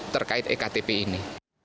terkait ektp ini